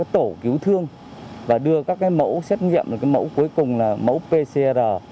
tổ cứu thương và đưa các mẫu xét nghiệm mẫu pcr